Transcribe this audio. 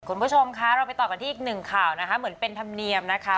คุณผู้ชมคะเราไปต่อกันที่อีกหนึ่งข่าวนะคะเหมือนเป็นธรรมเนียมนะคะ